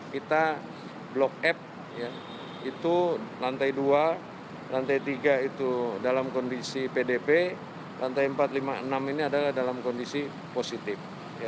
kita blok f itu lantai dua lantai tiga itu dalam kondisi pdp lantai empat lima enam ini adalah dalam kondisi positif